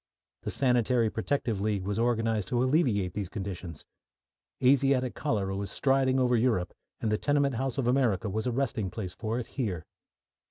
The Sanitary Protective League was organised to alleviate these conditions. Asiatic cholera was striding over Europe, and the tenement house of America was a resting place for it here.